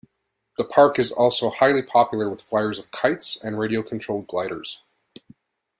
The park is also highly popular with flyers of kites and radio-controlled gliders.